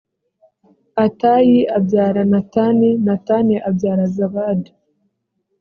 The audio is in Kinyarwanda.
atayi abyara natani natani abyara zabadi